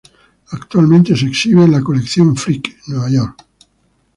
Actualmente se exhibe en la Colección Frick, Nueva York.